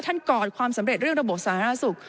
กอดความสำเร็จเรื่องระบบสาธารณสุข